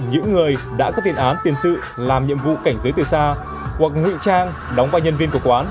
những người đã có tiền án tiền sự làm nhiệm vụ cảnh giới từ xa hoặc ngụy trang đóng vào nhân viên của quán